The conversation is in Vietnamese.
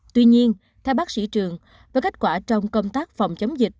tuy nhiên theo bác sĩ trường với kết quả trong công tác phòng chống dịch